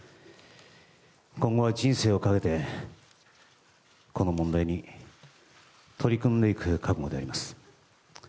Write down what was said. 今後は人生をかけて、この問題に取り組んでいく覚悟であります。